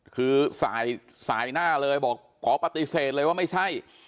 คือสายหน้าเลยบอกขอปฏิเสธเลยว่าไม่ใช่